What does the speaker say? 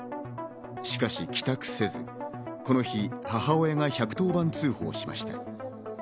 しかし帰宅せず、この日、母親が１１０番通報しました。